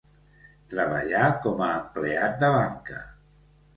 Treballà com a empleat de banca.